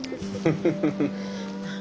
フフフフッ。